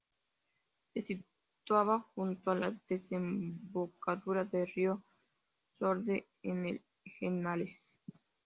Se situaba junto a la desembocadura del río Sorbe en el Henares.